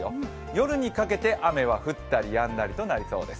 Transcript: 夜にかけて雨は降ったりやんだりとなりそうです。